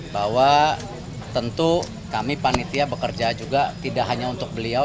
bahwa tentu kami panitia bekerja juga tidak hanya untuk beliau